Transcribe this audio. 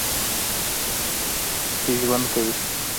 کښې ژؤند کوي